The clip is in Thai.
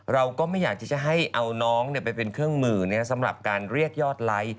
เราก็ไม่อยากที่จะให้เอาน้องไปเป็นเครื่องมือสำหรับการเรียกยอดไลค์